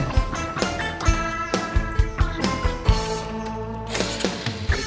terima kasih pak